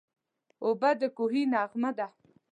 اوبه د کوهي نغمه ده.